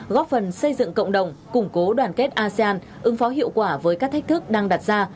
góp phần xây dựng cộng đồng củng cố đoàn kết asean ứng phó hiệu quả với các thách thức đang đặt ra